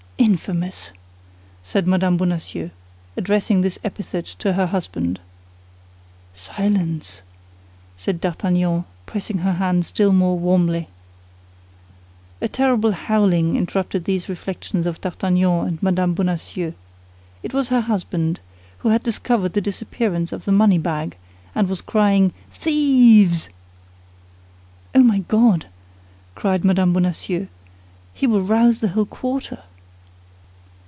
"Infamous!" said Mme. Bonacieux, addressing this epithet to her husband. "Silence!" said D'Artagnan, pressing her hand still more warmly. A terrible howling interrupted these reflections of D'Artagnan and Mme. Bonacieux. It was her husband, who had discovered the disappearance of the moneybag, and was crying "Thieves!" "Oh, my God!" cried Mme. Bonacieux, "he will rouse the whole quarter."